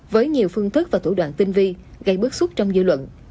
với nhiều phương thức và thủ đoạn tinh vi gây bước xuất trong dư luận